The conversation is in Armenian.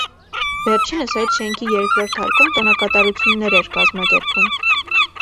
Վերջինս այդ շենքի երկրորդ հարկում տոնակատարություններ էր կազմակերպում։